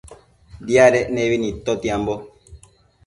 Diadec nebi nidtotiambo